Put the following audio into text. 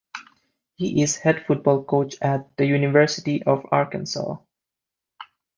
He is head football coach at the University of Arkansas.